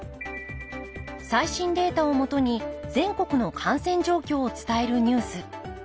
最新データをもとに全国の感染状況を伝えるニュース。